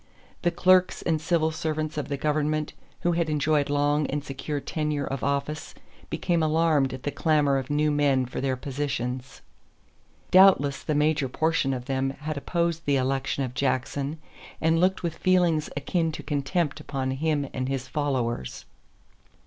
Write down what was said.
The clerks and civil servants of the government who had enjoyed long and secure tenure of office became alarmed at the clamor of new men for their positions. Doubtless the major portion of them had opposed the election of Jackson and looked with feelings akin to contempt upon him and his followers.